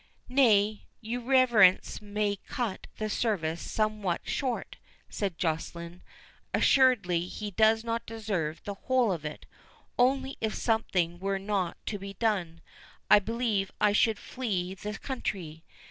"Nay, your reverence may cut the service somewhat short," said Joceline; "assuredly he does not deserve the whole of it; only if something were not to be done, I believe I should flee the country.